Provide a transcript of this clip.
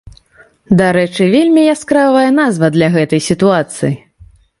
Дарэчы, вельмі яскравая назва для гэтай сітуацыі.